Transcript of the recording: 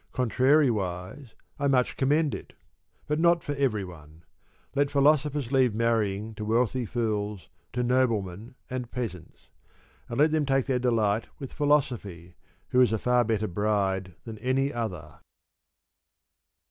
Contrariwise, I much commend it; but not for everyone. Let philosophers leave marrying to wealthy fools, to noblemen and peasants; and let them take their delight with philosophy, who is a far better bride than any other.